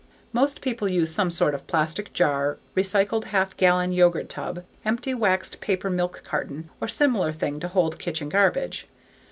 Most people use some sort of plastic jar, recycled half gallon yogurt tub, empty waxed paper milk carton, or similar thing to hold kitchen garbage.